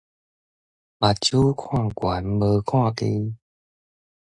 目睭看懸，無看低